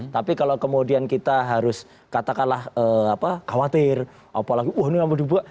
tapi kalau kemudian kita harus katakanlah apa khawatir apalagi wah ini apa dibuka